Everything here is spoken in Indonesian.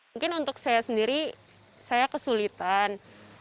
mungkin untuk saya sendiri saya kesulitan